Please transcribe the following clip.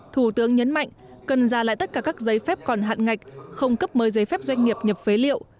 thủ tướng nhấn mạnh cần ra lại tất cả các giấy phép còn hạn ngạch không cấp mới giấy phép doanh nghiệp nhập phế liệu